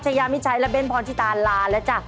ยามิชัยและเน้นพรชิตาลาแล้วจ้ะ